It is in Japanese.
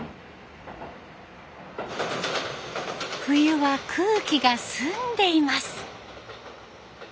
冬は空気が澄んでいます。